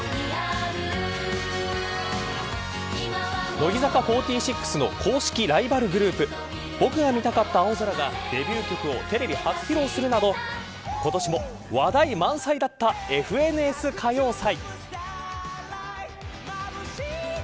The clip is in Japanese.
乃木坂４６の公式ライバルグループ僕が見たかった青空がデビュー曲をテレビ初披露するなど今年も話題満載だったＦＮＳ歌謡祭。